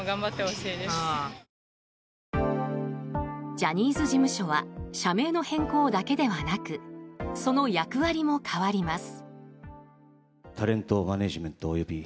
ジャニーズ事務所は社名の変更だけではなくその役割も変わります。